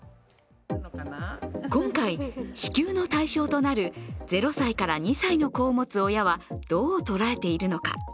今回、支給の対象となる０歳から２歳の子を持つ親は、どう捉えているのか。